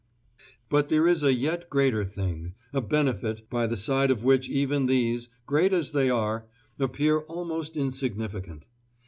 But there is a yet greater thing, a benefit, by the side of which even these great as they are appear almost insignificant.